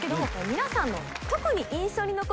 皆さんの。